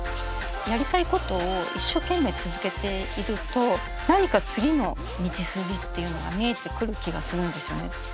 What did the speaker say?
やりたいことを一生懸命続けていると何か次の道筋っていうのが見えてくる気がするんですよね。